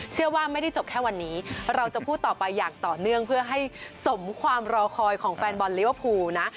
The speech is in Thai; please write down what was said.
เชื่อว่าไม่ได้จบแค่วันนี้เราจะพูดต่อไปอย่างต่อเนื่องเพื่อให้สมความรอคอยของแฟนบอลลิเวอร์พูลนะ